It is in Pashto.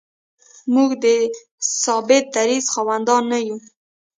موږ د ثابت دریځ خاوندان نه یو.